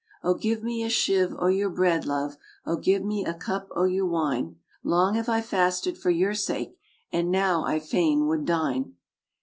"O give me a shive o' your bread, love, O give me a cup o' your wine ! Long have I fasted for your sake, And now I fain would dine.